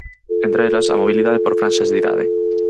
Entre elas, a mobilidade por franxas de idade.